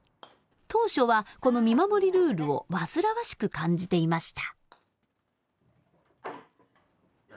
当初はこの見守りルールを煩わしく感じていました。